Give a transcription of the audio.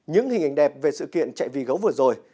những hình ảnh đẹp về sự kiện chạy vì gấu vừa rồi